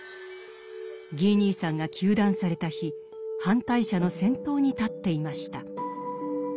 ギー兄さんが糾弾された日反対者の先頭に立っていました。